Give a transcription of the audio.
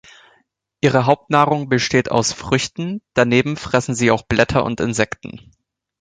Ihre Hauptnahrung besteht aus Früchten, daneben fressen sie auch Blätter und Insekten.